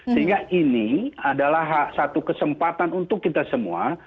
sehingga ini adalah satu kesempatan untuk kita semua